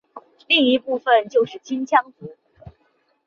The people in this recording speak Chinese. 另一部分就是青羌族。